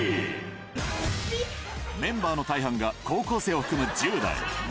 メンバーの大半が高校生を含む１０代。